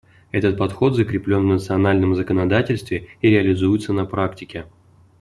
Этот подход закреплен в национальном законодательстве и реализуется на практике.